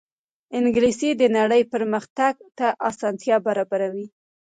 انګلیسي د نړۍ پرمخ تګ ته اسانتیا برابروي